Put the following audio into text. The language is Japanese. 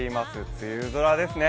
梅雨空ですね。